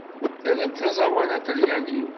Tramt aẓawan aṭalyani?